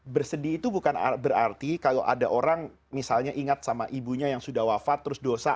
bersedih itu bukan berarti kalau ada orang misalnya ingat sama ibunya yang sudah wafat terus dosa